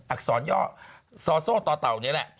อักษรย่อซอโซ่ต่อเต่านี่แหละ